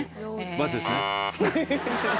バツですね。